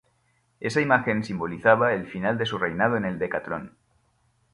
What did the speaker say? Esa imagen simbolizaba el final de su reinado en el decatlón.